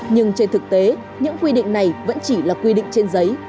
nhưng trên thực tế những quy định này vẫn chỉ là quy định trên giấy